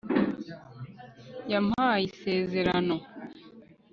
yampaye isezerano